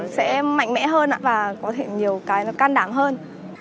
sẽ mạnh mẽ hơn và có thể nhiều cái nó can đáng hơn